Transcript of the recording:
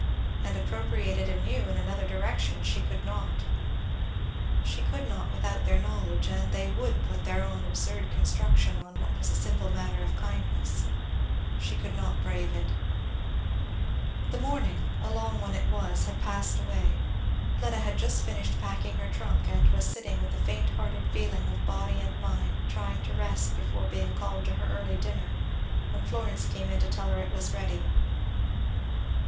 And appropriate it anew, in another direction, she could not. She could not without their knowledge, and they would put their own absurd construction on what was a simple matter of kindness; she could not brave it. [Illustration: "I told him, 'O you were not gone yet!'"] The morning, a long one it was, had passed away; Fleda had just finished packing her trunk, and was sitting with a faint hearted feeling of body and mind, trying to rest before being called to her early dinner, when Florence came to tell her it was ready.